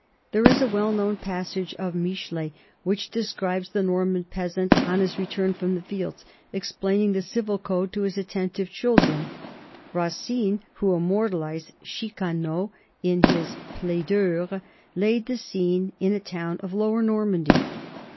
There is a well known passage of Michelet which describes the Norman peasant on his return from the fields explain ing the Civil Code to his attentive children ; Racine, who immortalized Chicaneau in his Plaideurs, laid the scene in a town of Lower Normandy.